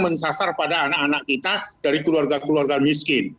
mensasar pada anak anak kita dari keluarga keluarga miskin